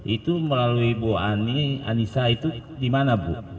itu melalui ibu anissa itu di mana bu